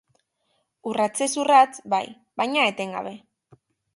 Urratsez urrats, bai, baina etengabe.